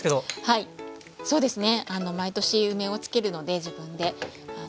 はいそうですね。